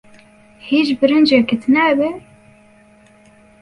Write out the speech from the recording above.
هیچ برنجێکت ناوێت؟